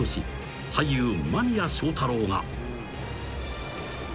［俳優間宮祥太朗が］